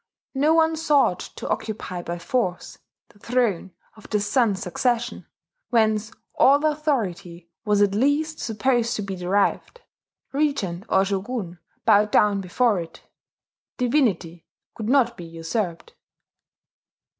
No one sought to occupy by force the throne of the Sun's Succession, whence all authority was at least supposed to be derived. Regent or shogun bowed down before it: divinity could not be usurped.